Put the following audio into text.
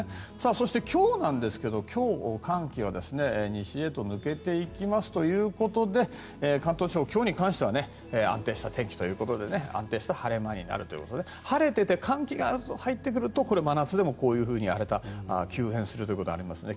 そして今日なんですが今日、寒気は西へと抜けていきますということで関東地方、今日に関しては安定した天気ということで安定した晴れ間になるということで晴れていて寒気が入ってくるとこれ、真夏でもこういうふうに荒れた、急変するということがありますね。